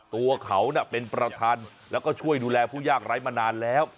ตัวเขาเป็นประธานแล้วก็ช่วยดูแลผู้ยากไร้มานานแล้ว